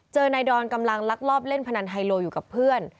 นายดอนกำลังลักลอบเล่นพนันไฮโลอยู่กับเพื่อน